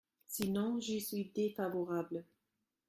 Sinon, j’y suis défavorable.